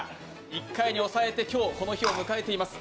１回に抑えて今日、この日を迎えています。